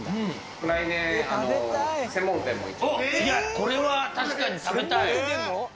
これは確かに食べたい！